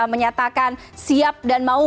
menyatakan siap dan mau